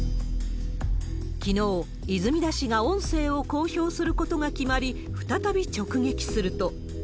きのう、泉田氏が音声を公表することが決まり、再び直撃すると。